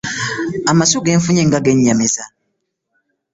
Amasu ge nfunye nga gennyamiza!